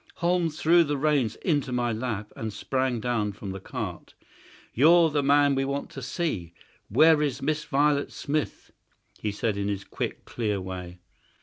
Holmes threw the reins into my lap and sprang down from the cart. "You're the man we want to see. Where is Miss Violet Smith?" he said, in his quick, clear way.